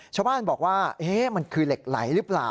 ชาวบ้านบอกว่ามันคือเหล็กไหลหรือเปล่า